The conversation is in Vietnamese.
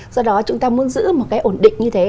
do đó chúng ta muốn giữ một cái ổn định như thế